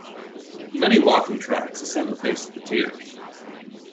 Many walking tracks ascend the face of the Tiers.